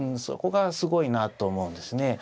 そこがすごいなと思うんですね。